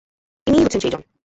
ইনিই হচ্ছেন সেইজন!